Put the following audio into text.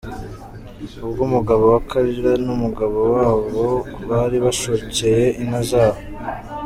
Ubwo umugabo wa Kalira n'umugabo wabo bari bashokeye inka zabo.